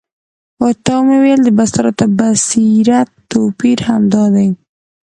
ورته ومي د بصارت او بصیرت توپیر همد دادی،